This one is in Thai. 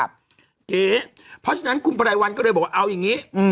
เพราะฉะนั้นคุณไพรวัลก็เลยบอกว่าเอาอย่างนี้